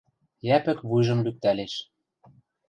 Йӓпӹк вуйжым лӱктӓлеш.